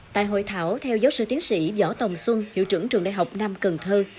tại hội thảo theo giáo sư tiến sĩ võ tồng xuân hiệu trưởng trường đại học nam cần thơ